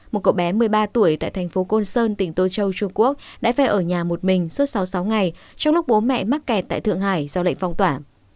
một cậu bé một mươi ba tuổi tại thành phố côn sơn tỉnh tô châu trung quốc đã phe ở nhà một mình suốt sáu mươi sáu ngày trong lúc bố mẹ mắc kẹt tại thượng hải do lệnh phong tỏa